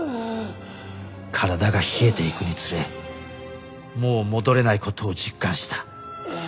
体が冷えていくにつれもう戻れない事を実感した。